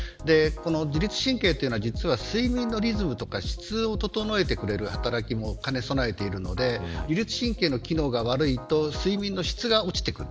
自律神経というのは、実は睡眠のリズムや質を整えてくれる働きを兼ね備えているので自律神経の機能が悪いと睡眠の質が落ちてくる。